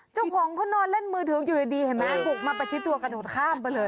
เจ้าของเค้านอนเล่นมือทิ้งใจได้ดีบุกมาประชิดตัวกระดูดข้ามไปเลย